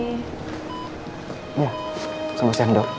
iya selamat siang dok